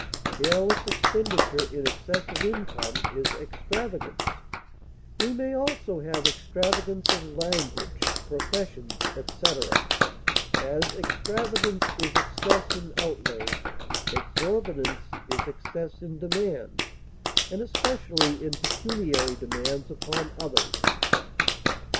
Careless expenditure in excess of income is extravagance; we may have also extravagance of language, professions, etc. As extravagance is excess in outlay, exorbitance is excess in demands, and especially in pecuniary demands upon others.